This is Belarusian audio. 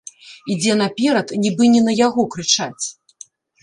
Ідзе наперад, нібы не на яго крычаць.